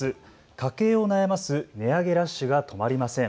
家計を悩ます値上げラッシュが止まりません。